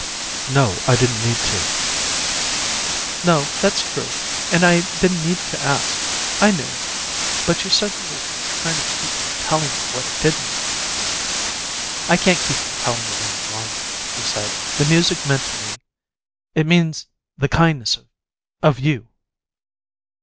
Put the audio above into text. "No. I didn't need to." "No, that's true, and I didn't need to ask. I knew. But you said you were trying to keep from telling me what it did mean." "I can't keep from telling it any longer," he said. "The music meant to me it meant the kindness of of you."